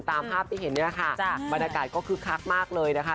ตามภาพที่เห็นเนี่ยค่ะบรรยากาศก็คึกคักมากเลยนะคะ